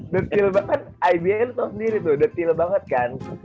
detail banget ibs lu tau sendiri tuh detail banget kan